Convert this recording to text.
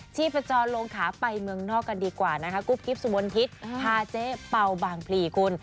ชีพจรลงขาไปเมืองนอกกันดีกว่านะคะกุ๊บกิ๊บสุมนทิศพาเจ๊เป่าบางพลีคุณ